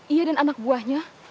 ia dan anak buahnya